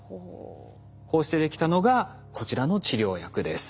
こうしてできたのがこちらの治療薬です。